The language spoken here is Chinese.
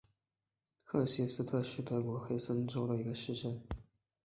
赫希斯特是德国黑森州的一个市镇。